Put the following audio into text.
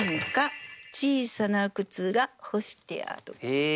へえ。